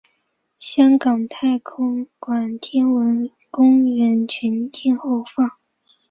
香港太空馆天文公园全天候开放。